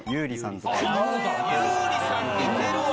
優里さん似てるわ。